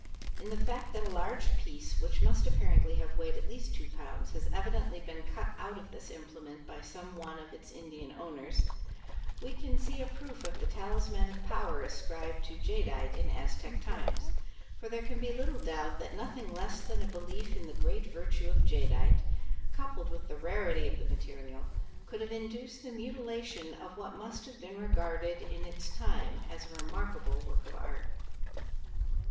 In the fact that a large piece, which must apparently have weighed at least two pounds, has evidently been cut out of this implement by some one of its Indian owners, we can see a proof of the talismanic power ascribed to jadeite in Aztec times, for there can be little doubt that nothing less than a belief in the great virtue of jadeite coupled with the rarity of the material could have induced the mutilation of what must have been regarded in its time as a remarkable work of art.